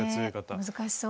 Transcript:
難しそう。